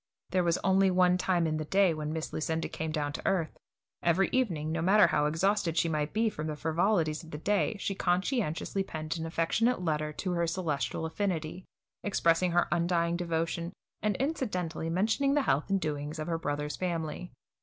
There was only one time in the day when Miss Lucinda came down to earth. Every evening, no matter how exhausted she might he from the frivolities of the day, she conscientiously penned an affectionate letter to her celestial affinity, expressing her undying devotion, and incidentally mentioning the health and doings of her brother's family.